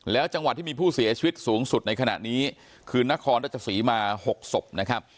แล้วจังหวัดที่มีผู้เสียชีวิตสูงสุดในขณะนี้คือนครราชสีมา๖ศพนะครับ